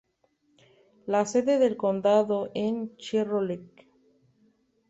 La sede del condado es Cherokee.